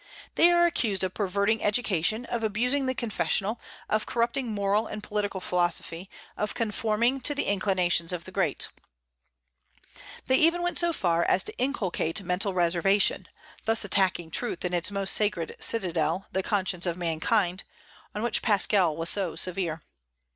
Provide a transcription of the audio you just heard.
They are accused of perverting education, of abusing the confessional, of corrupting moral and political philosophy, of conforming to the inclinations of the great. They even went so far as to inculcate mental reservation, thus attacking truth in its most sacred citadel, the conscience of mankind, on which Pascal was so severe.